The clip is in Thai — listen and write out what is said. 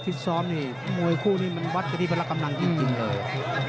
ฟิตซ้อมนี่มวยคู่นี้มันวัดกันที่พละกำลังจริงเลย